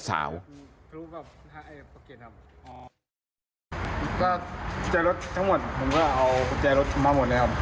ก็กุญแจรถทั้งหมดผมก็เอากุญแจรถมาหมดแล้ว